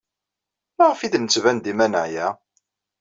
Maɣef ay d-nettban dima neɛya?